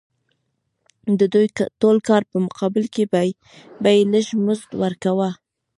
د دې ټول کار په مقابل کې به یې لږ مزد ورکاوه